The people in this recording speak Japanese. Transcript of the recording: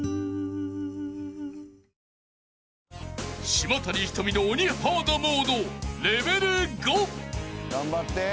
［島谷ひとみの鬼ハードモードレベル５］頑張って！